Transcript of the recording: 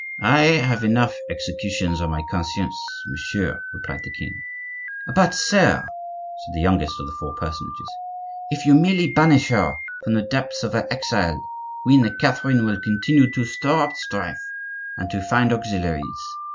"I have enough executions on my conscience, monsieur," replied the king. "But, sire," said the youngest of the four personages, "if you merely banish her, from the depths of her exile Queen Catherine will continue to stir up strife, and to find auxiliaries.